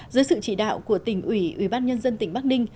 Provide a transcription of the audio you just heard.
dưới sự chỉ đạo của tỉnh ủy ủy ban nhân dân tỉnh bắc ninh